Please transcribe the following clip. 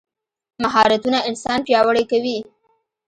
مهارتونه انسان پیاوړی کوي.